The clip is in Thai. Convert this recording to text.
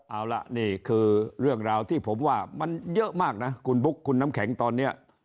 เอาล่ะนี่คือเรื่องราวที่ผมว่ามันเยอะมากนะคุณบุ๊คคุณน้ำแข็งตอนนี้